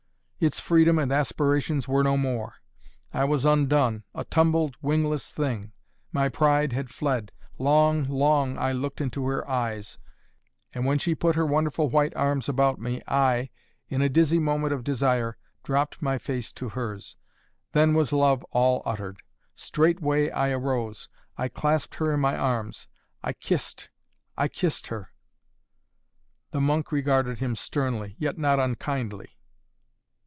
Its freedom and aspirations were no more. I was undone, a tumbled, wingless thing. My pride had fled. Long, long I looked into her eyes, and when she put her wonderful white arms about me, I, in a dizzy moment of desire, dropped my face to hers. Then was love all uttered. Straightway I arose. I clasped her in my arms. I kissed I kissed her " The monk regarded him sternly, yet not unkindly.